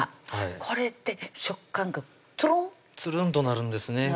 これで食感がツルンツルンとなるんですね